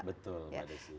betul mbak desi